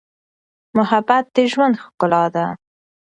محبت د ژوند ښکلا ده.